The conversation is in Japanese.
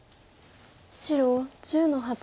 白１０の八。